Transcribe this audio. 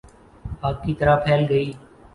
آگ کی طرح پھیل گئی